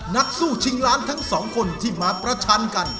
นักสู้ชิงล้านทั้งสองคนที่มาประชันกัน